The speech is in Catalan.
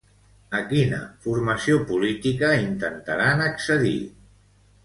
A quina formació política intentaran accedir?